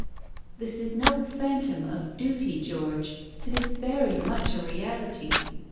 "This is no phantom of duty, George. It is very much a reality.